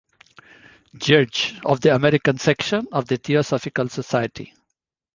Judge, of the American Section of the Theosophical Society.